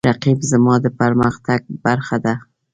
رقیب زما د پرمختګ برخه ده